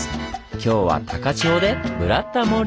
今日は高千穂で「ブラタモリ」！